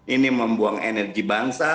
ini membuang energi bangsa